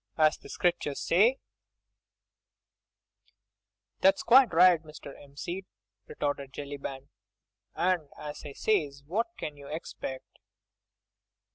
As the Scriptures say—" "That's quite right, Mr. 'Empseed," retorted Jellyband, "and as I says, what can you 'xpect?